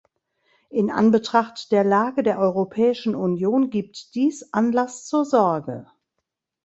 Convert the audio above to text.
In Anbetracht der Lage der Europäischen Union gibt dies Anlass zur Sorge.